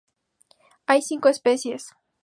Hay cinco especies.